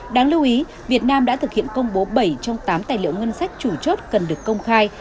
đáng lưu ý việt nam đã thực hiện công bố bảy trong tám tài liệu ngân sách chủ chốt cần được công khai